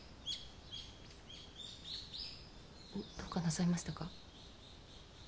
どうかなさいましたか？